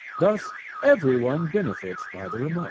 Thus everyone benefits by the remark.